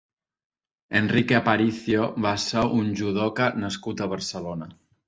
Enrique Aparicio va ser un judoka nascut a Barcelona.